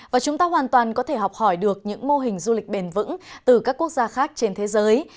và chúng ta hoàn toàn có thể học hỏi được những mô hình du lịch bền vững từ các quốc gia khác trên thế giới